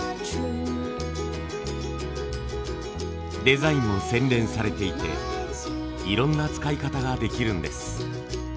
デザインも洗練されていていろんな使い方ができるんです。